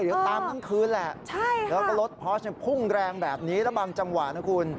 เดี๋ยวตามทั้งคืนแหละแล้วก็รถพอร์ชพุ่งแรงแบบนี้แล้วบางจังหวะนะคุณ